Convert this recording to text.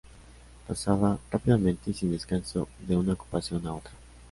Pasaba rápidamente y sin descanso de una ocupación a otra.